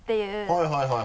はいはいはい。